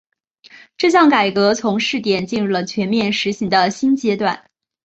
这项改革从试点进入了全面实行的新阶段。